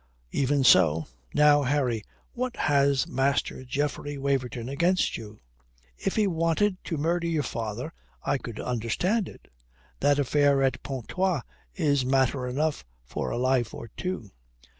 "Even so. Now, Harry, what has Master Geoffrey Waverton against you? If he wanted to murder your father I could understand it. That affair at Pontoise is matter enough for a life or two.